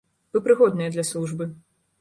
Вы прыгодныя для службы.